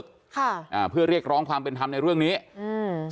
ค่ะอ่าเพื่อเรียกร้องความเป็นธรรมในเรื่องนี้อืม